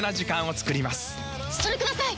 それください！